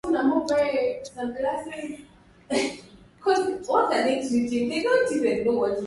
angani uchafuzi wa hewa ulioanzia katika sehemu moja unaweza pia